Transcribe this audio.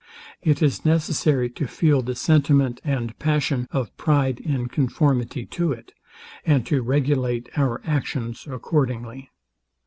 It is necessary to feel the sentiment and passion of pride in conformity to it, and to regulate our actions accordingly.